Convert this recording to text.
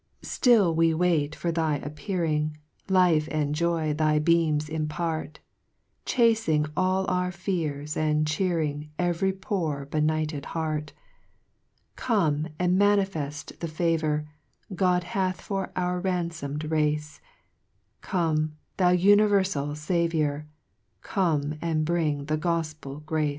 2 Still we wait for thy appearing, Life and joy thy beams impart, Chafing all our fears, and cheering Every poor benighted heart; Come, and manifeft the favour God hath for our ranfom'd race; Come, thou univerfal Saviour, Come ; and bring the gofpel grace.